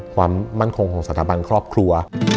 ความมั่นคงของสถาบันครอบครัว